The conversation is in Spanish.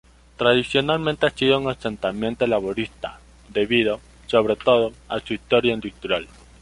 Tradicionalmente ha sido un "asentamiento" laborista, debido, sobre todo, a su historia industrial.